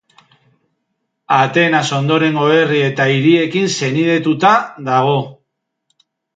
Atenas ondorengo herri eta hiriekin senidetuta dago.